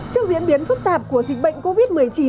trước diễn biến phức tạp của dịch bệnh covid một mươi chín